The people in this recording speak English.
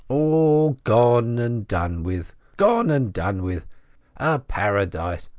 All gone and done with! Gone and done with! A paradise!